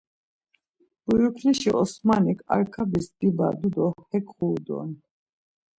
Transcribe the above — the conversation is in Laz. Buyuklişi Osmanik Arkabis dibadu do hek ğuru doren.